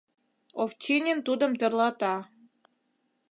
— Овчинин тудым тӧрлата.